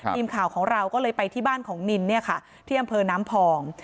ทีมข่าวของเราก็เลยไปที่บ้านของนินเนี่ยค่ะที่อำเภอน้ำพอง